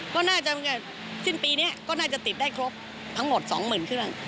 ก็น่าจะสิ้นปีนี้ก็น่าจะติดได้ครบทั้งหมด๒๐๐๐เครื่อง